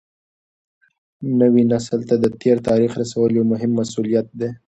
نوي نسل ته د تېر تاریخ رسول یو مهم مسولیت دی.